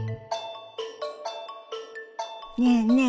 ねえねえ